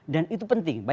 dan itu penting